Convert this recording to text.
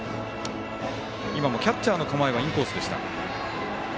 今もキャッチャーの構えはインコースでした。